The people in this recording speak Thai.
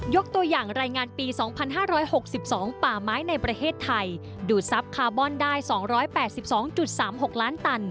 ตัวอย่างรายงานปี๒๕๖๒ป่าไม้ในประเทศไทยดูดทรัพย์คาร์บอนได้๒๘๒๓๖ล้านตัน